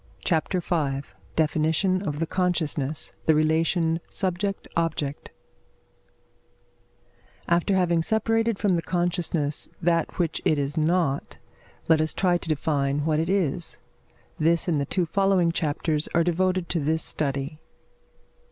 CHAPTER V DEFINITION OF THE CONSCIOUSNESS THE RELATION SUBJECT OBJECT After having separated from the consciousness that which it is not, let us try to define what it is. This and the two following chapters are devoted to this study.